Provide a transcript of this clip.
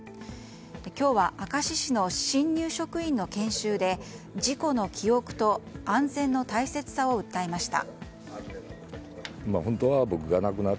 今日は明石市の新入職員の研修で事故の記憶と安全の大切さを訴えました。